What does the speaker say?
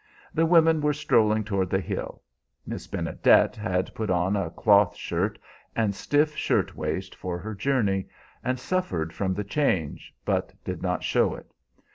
The women were strolling toward the hill. Miss Benedet had put on a cloth skirt and stiff shirt waist for her journey, and suffered from the change, but did not show it.